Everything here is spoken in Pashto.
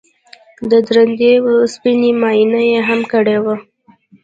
د درندې وسپنې معاینه یې هم کړې وه